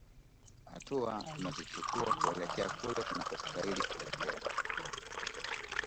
hatua tunazichukua kuelekea kule tunakostahiki kuelekea